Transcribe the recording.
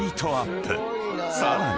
［さらに］